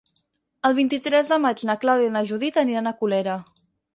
El vint-i-tres de maig na Clàudia i na Judit aniran a Colera.